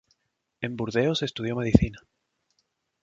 En Burdeos estudió medicina.